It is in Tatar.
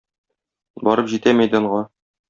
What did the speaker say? Барып җитә мәйданга.